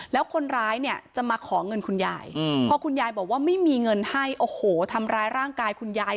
แล้วคนร้ายเนี่ยจะมาขอเงินคุณยายพอคุณยายบอกว่าไม่มีเงินให้โอ้โหทำร้ายร่างกายคุณยาย